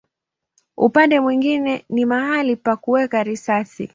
Upande mwingine ni mahali pa kuweka risasi.